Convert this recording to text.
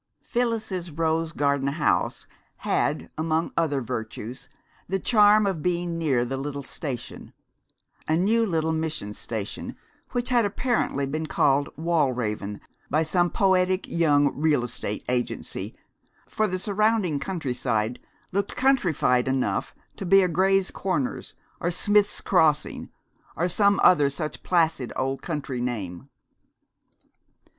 Phyllis's rose garden house had, among other virtues, the charm of being near the little station: a new little mission station which had apparently been called Wallraven by some poetic young real estate agency, for the surrounding countryside looked countrified enough to be a Gray's Corners, or Smith's Crossing, or some other such placid old country name.